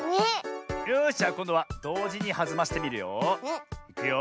よしじゃこんどはどうじにはずませてみるよ。いくよ。